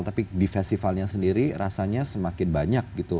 tapi di festivalnya sendiri rasanya semakin banyak gitu